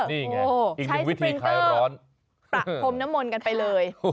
นี่ไงใช้สปริงเกอร์ปะพรมน้ำมนต์กันไปเลย